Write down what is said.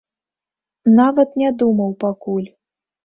Нават не думаў пакуль.